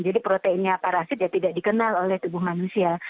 jadi proteinnya parasit ya tidak dikenal oleh tubuh manusia